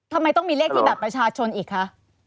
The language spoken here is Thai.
ทำไมต้องมีเลขที่บัตรประชาชนอีกคะ